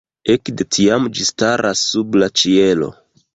Ekde tiam ĝi staras sub la ĉielo.